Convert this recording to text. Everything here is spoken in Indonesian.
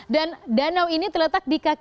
dan danau ini terletak di kaki gunung